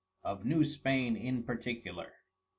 Of New Spain in Particular.